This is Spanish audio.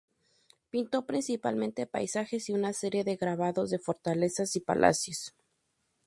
Pintó principalmente paisajes y una serie de grabados de fortalezas y palacios.